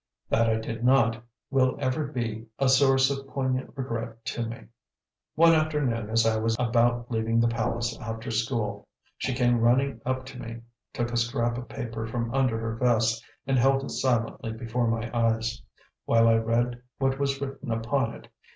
That I did not, will ever be a source of poignant regret to me. One afternoon, as I was about leaving the palace after school, she came running up to me, took a scrap of paper from under her vest, and held it silently before my eyes, while I read what was written upon it.